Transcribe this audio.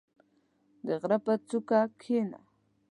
• د غره په څوکه کښېنه.